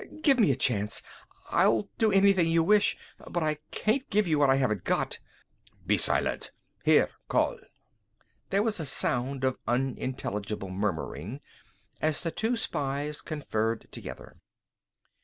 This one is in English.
"Give me a chance. I'll do anything you wish! But I can't give you what I haven't got." "Be silent! Here, Karl." There was a sound of unintelligible murmuring as the two spies conferred together.